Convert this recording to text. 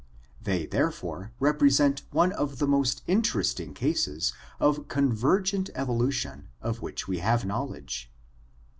They therefore represent one of the most interesting cases of convergent evolution of which we have knowledge.